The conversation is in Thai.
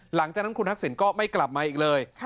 หลังจากนั้นคุณทักษิณก็ไม่กลับมาอีกเลย